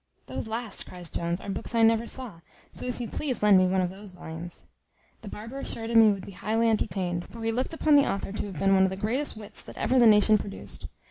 "Those last," cries Jones, "are books I never saw, so if you please lend me one of those volumes." The barber assured him he would be highly entertained, for he looked upon the author to have been one of the greatest wits that ever the nation produced.